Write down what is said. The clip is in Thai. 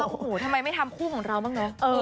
โอ้โหทำไมไม่ทำคู่ของเราบ้างเนอะ